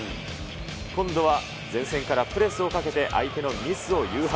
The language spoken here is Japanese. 今度は前線からプレスをかけて、相手のミスを誘発。